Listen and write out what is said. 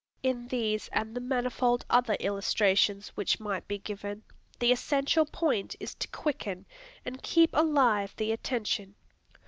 In these and the manifold other illustrations which might be given, the essential point is to quicken and keep alive the attention.